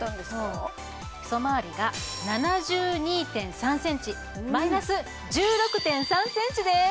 へそまわりが７２．３ｃｍマイナス１６．３ｃｍです！